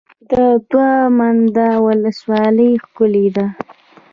د دوه منده ولسوالۍ ښکلې ده